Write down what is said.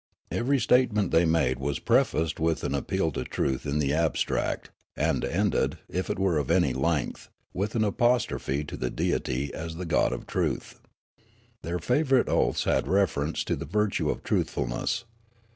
Every statement they made was prefaced with an appeal to truth in the abstract, and ended, if it were 35 36 Riallaro of any length, with an apostrophe to the deity as the god of truth. Their favourite oaths had reference to the virtue of truthfulness.